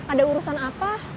ada urusan apa